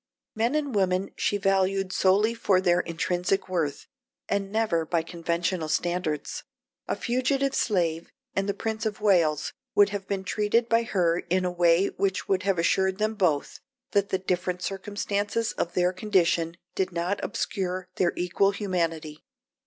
Men and women she valued solely for their intrinsic worth, and never by conventional standards. A fugitive slave and the Prince of Wales would have been treated by her in a way which would have assured them both that the different circumstances of their condition did not obscure their equal humanity.